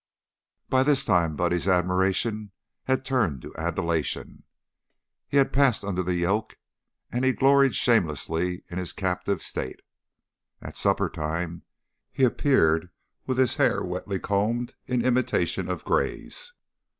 By this time Buddy's admiration had turned to adulation; he had passed under the yoke and he gloried shamelessly in his captive state. At supper time he appeared with his hair wetly combed in imitation of Gray's.